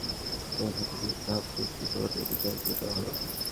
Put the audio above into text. এতে জনশৃঙ্খলা বজায় রাখতে সেনাসদস্যদের ধাপভিত্তিক করণীয় নির্ধারণ করে দেওয়া হয়।